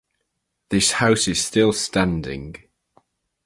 This house is still standing.